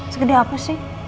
segede apa sih